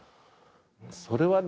それはね